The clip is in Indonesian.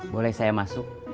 boleh saya masuk